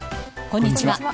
こんにちは。